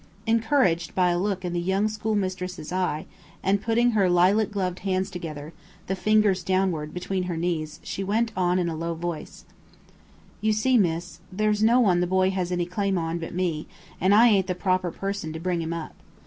Encouraged by a look in the young schoolmistress's eye, and putting her lilac gloved hands together, the fingers downward, between her knees, she went on, in a low voice: "You see, miss, there's no one the boy has any claim on but me, and I ain't the proper person to bring him up.